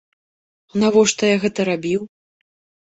Навошта я гэта рабіў?